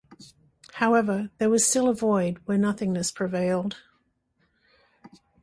However, there was still a void, where nothingness prevailed.